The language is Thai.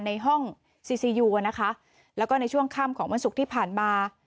ในห้องซีซียูอ่ะนะคะแล้วก็ในช่วงค่ำของวันศุกร์ที่ผ่านมา